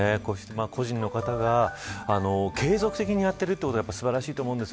個人の方が継続的にやっているということが素晴らしいです。